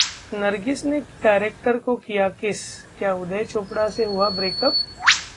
नरगिस ने डायरेक्टर को किया Kiss, क्या उदय चोपड़ा से हुआ ब्रेकअप?